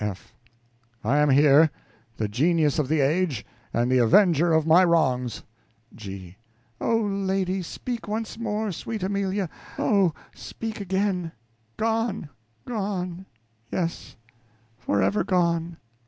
F. I am here, the genius of the age, and the avenger of my wrongs. G. Oh, lady, speak once more; sweet Amelia, oh, speak again. Gone, gone yes, forever gone!